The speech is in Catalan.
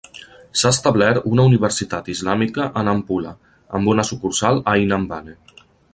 S'ha establert una Universitat Islàmica a Nampula, amb una sucursal a Inhambane.